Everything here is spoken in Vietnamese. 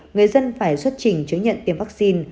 người dân phải xuất trình chứng nhận tiêm vaccine